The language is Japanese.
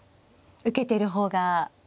受けてる方が。